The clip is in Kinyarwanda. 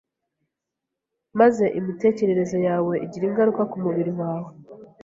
maze imitekerereze yawe igira ingaruka ku mubiri wawe.